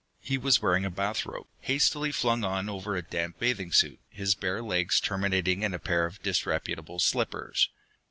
He was wearing a bathrobe, hastily flung on over a damp bathing suit, his bare legs terminating in a pair of disreputable slippers.